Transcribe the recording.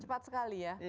tidak sampai sebulan